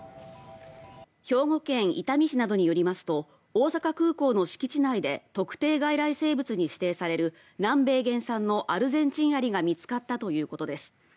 兵庫県伊丹市などによりますと大阪空港の敷地内で特定外来生物に指定される南米原産のアルゼンチンアリが見つかったということです。